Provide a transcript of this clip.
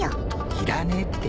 ［いらねえって］